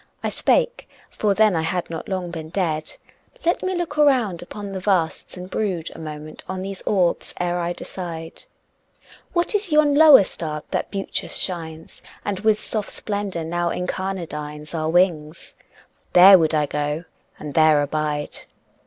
I spake for then I had not long been dead "Let me look round upon the vasts, and brood A moment on these orbs ere I decide ... What is yon lower star that beauteous shines And with soft splendor now incarnadines Our wings? There would I go and there abide."